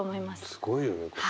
すごいよねこれ。